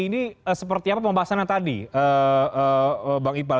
ini seperti apa pembahasan yang tadi bang ibal